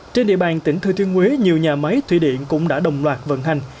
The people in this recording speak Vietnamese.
trên địa bàn tỉnh thư thiên quế nhiều nhà máy thủy điện cũng đã đồng loạt vận hành